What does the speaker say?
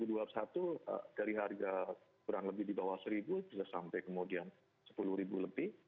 dari harga kurang lebih di bawah rp satu sampai kemudian sepuluh ribu lebih